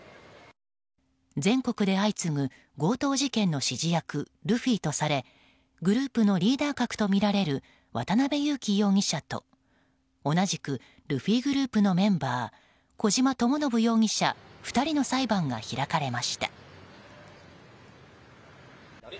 全国で相次ぐ強盗事件の指示役ルフィとされグループのリーダー格とみられる渡辺優樹容疑者と同じくルフィグループのメンバー小島智信容疑者２人の裁判が開かれました。